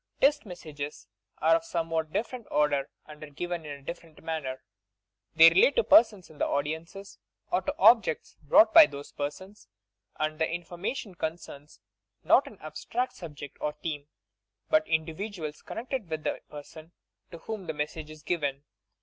Test Messages are of a somewhat different order and are given in a different manner. They relate to persons 184 d TEST MESSAGES 185 in the audience or to objects brought by those persons, and the information concerns not an abstract subject or theme, but individuals connected with the person to whom the message is given.